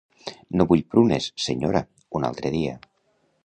No vull prunes, senyora, un altre dia.